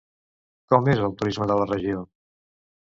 Com és el turisme de la regió?